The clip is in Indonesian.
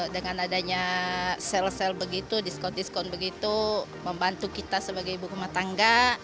dengan adanya sel sel begitu diskon diskon begitu membantu kita sebagai ibu rumah tangga